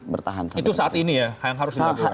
bertahan itu saat ini ya